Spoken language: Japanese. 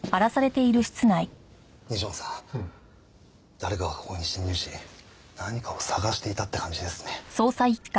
誰かがここに侵入し何かを捜していたって感じですね。